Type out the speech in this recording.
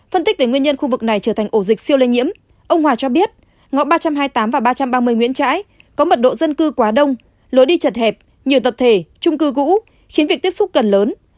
phân tích về nguyên nhân khu vực này trở thành ổ dịch siêu lây nhiễm ông hòa cho biết ngõ ba trăm hai mươi tám và ba trăm ba mươi nguyễn trãi có mật độ dân cư quá đông lối đi chật hẹp nhiều tập thể trung cư cũ khiến việc tiếp xúc gần lớn